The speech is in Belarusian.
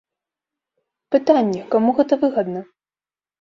Пытанне, каму гэта выгадна?